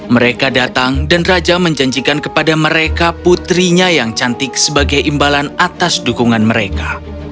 mereka datang dan raja menjanjikan kepada mereka putrinya yang cantik sebagai imbalan atas dukungan mereka